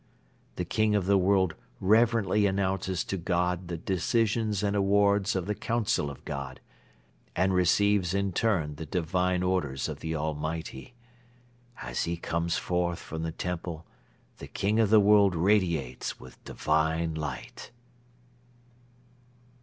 The King of the World reverently announces to God the decisions and awards of the 'Council of God' and receives in turn the Divine orders of the Almighty. As he comes forth from the temple, the King of the World radiates with Divine Light."